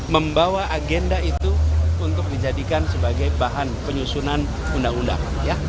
membawa agenda itu untuk dijadikan sebagai bahan penyusunan undang undang